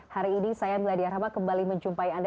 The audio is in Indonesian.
hari ini saya meladi arama kembali menjumpai anda